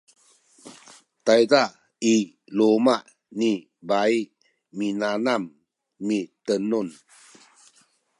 tayza i luma’ ni bai minanam mitenun